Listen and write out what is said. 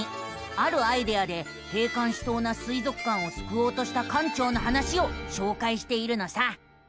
あるアイデアで閉館しそうな水族館をすくおうとした館長の話をしょうかいしているのさ。